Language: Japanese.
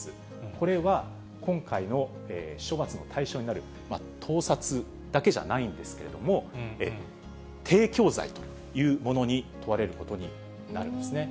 これは今回の処罰の対象になる盗撮だけじゃないんですけれども、提供罪というものに問われることになるんですね。